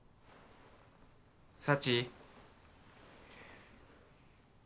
幸！